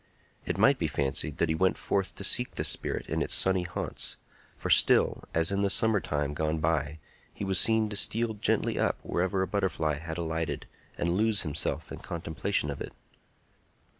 It might be fancied that he went forth to seek this spirit in its sunny haunts; for still, as in the summer time gone by, he was seen to steal gently up wherever a butterfly had alighted, and lose himself in contemplation of it.